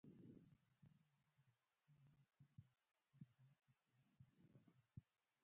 ازادي راډیو د بانکي نظام په اړه د حکومت اقدامات تشریح کړي.